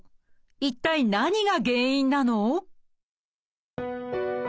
一体何が原因なの？